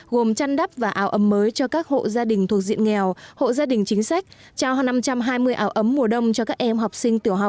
gồm chăn đắp và ảo ấm mới cho các hộ gia đình thuộc diện nghèo hộ gia đình chính sách